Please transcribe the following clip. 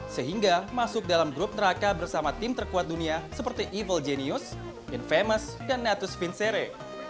sehingga masuk dalam grup neraka bersama tim terkuat dunia seperti evil genius infames dan netus vincere